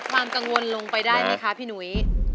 ความกังวลลงไปได้ไหมคะพี่หนุ้ย